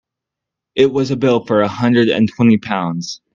It was a bill for a hundred and twenty pounds.